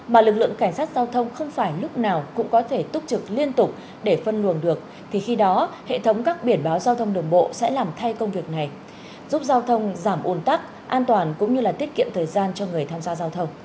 mà lực lượng cảnh sát giao thông không phải lúc nào cũng có thể túc trực liên tục để phân luồng được thì khi đó hệ thống các biển báo giao thông đường bộ sẽ làm thay công việc này giúp giao thông giảm ồn tắc an toàn cũng như tiết kiệm thời gian cho người tham gia giao thông